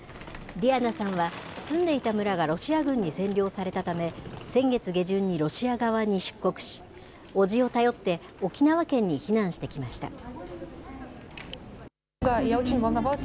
ディアナさんは、住んでいた村がロシア軍に占領されたため、先月下旬にロシア側に出国し、叔父を頼って沖縄県に避難してきました。